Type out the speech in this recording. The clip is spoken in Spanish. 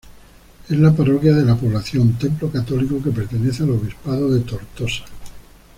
Es la parroquia de la población, templo católico que pertenece al obispado de Tortosa.